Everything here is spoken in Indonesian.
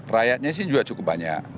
rakyatnya sih juga cukup banyak